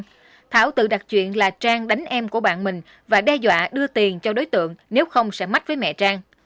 trương thị thảo tự đặt chuyện là trang đánh em của bạn mình và đe dọa đưa tiền cho đối tượng nếu không sẽ mắc với mẹ trang